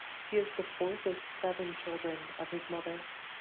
He is the fourth of seven children of his mother.